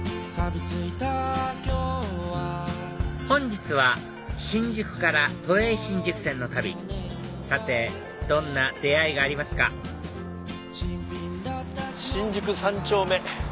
本日は新宿から都営新宿線の旅さてどんな出会いがありますか新宿三丁目